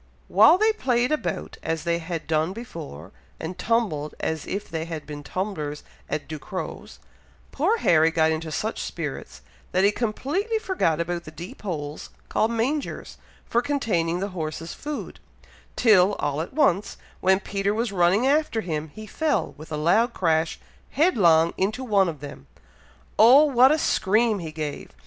While they played about, as they had done before, and tumbled as if they had been tumblers at Ducrow's, poor Harry got into such spirits, that he completely forgot about the deep holes called mangers, for containing the horse's food, till all at once, when Peter was running after him, he fell, with a loud crash, headlong into one of them! Oh! what a scream he gave!